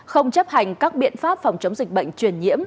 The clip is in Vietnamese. không chấp hành các biện pháp phòng chống dịch bệnh truyền nhiễm